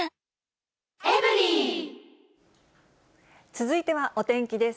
続いてはお天気です。